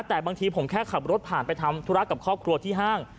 แต่บางทีผมแค่ขับรถผ่านไปทำธุระกับครอบครัวที่ห้าง